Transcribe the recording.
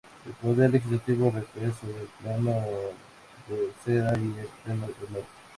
El poder legislativo recae sobre el Pleno de Usera y el Pleno de Madrid.